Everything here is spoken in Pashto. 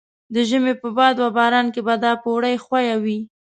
د ژمي په باد و باران کې به دا پوړۍ ښویې وې.